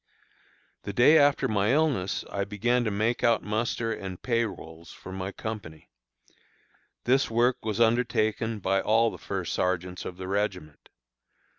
The day after my illness I began to make out muster and pay rolls for my company. This work was undertaken by all the first sergeants of the regiment.